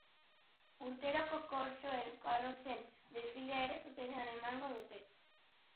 Urteroko korsoen karrozen desfilea ere zuzenean emango dute.